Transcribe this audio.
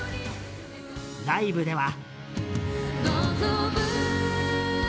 ライブでは。